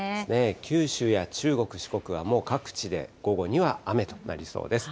九州や中国、四国は、もう各地で午後には雨となりそうです。